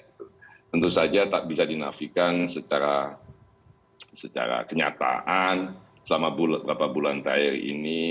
tentu saja tak bisa dinafikan secara kenyataan selama beberapa bulan terakhir ini